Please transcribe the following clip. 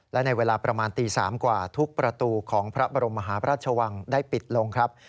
และในเวลาประมาณตี๓กว่าทุกประตูของพระบรมมหาพระราชวังได้ปิดลงครับ